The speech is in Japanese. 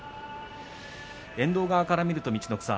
遠藤側から見ると陸奥さん